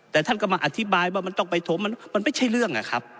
แต่ท่านก็มาอธิบายว่ามันต้องไปถมมันไม่ใช่เรื่องอะครับ